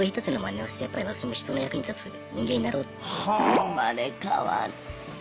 生まれ変わった。